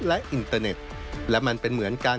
และอินเตอร์เน็ตและมันเป็นเหมือนกัน